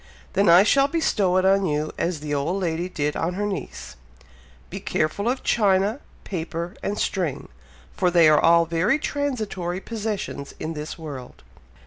"Then I shall bestow it on you, as the old lady did on her niece 'Be careful of china, paper and string, for they are all very transitory possessions in this world!'"